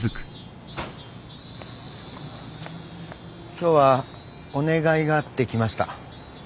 今日はお願いがあって来ました。